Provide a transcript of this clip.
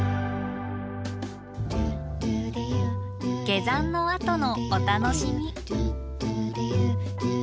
下山のあとのお楽しみ。